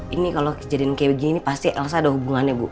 ini kalau kejadian kayak begini pasti elsa ada hubungannya bu